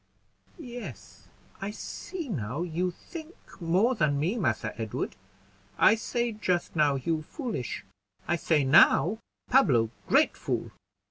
"Yes, I see now; you think more than me, Massa Edward. I say just now, you foolish; I say now, Pablo great fool."